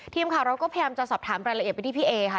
ทีมข่าวเราก็พยายามจะสอบถามรายละเอียดไปที่พี่เอค่ะ